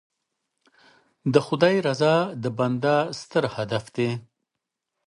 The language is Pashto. د خدای رضا د بنده ستر هدف دی.